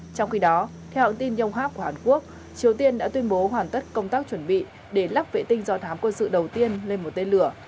trong khi đó theo tin yonhap của hàn quốc triều tiên đã tuyên bố hoàn tất công tác chuẩn bị để lắp vệ tinh do thám quân sự đầu tiên lên một tên lửa